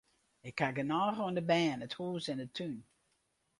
Ik haw genôch oan de bern, it hûs en de tún.